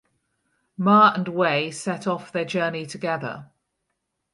Ma and Wei set off their journey together.